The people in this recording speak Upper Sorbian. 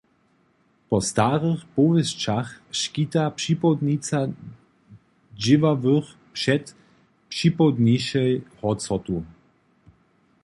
Po starych powěsćach škita připołdnica dźěławych před připołdnišej horcotu.